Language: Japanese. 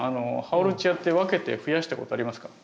ハオルチアって分けてふやしたことありますか？